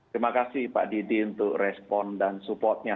terima kasih pak didi untuk respon dan supportnya